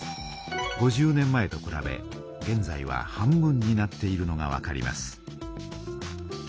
５０年前とくらべげんざいは半分になっているのがわかります。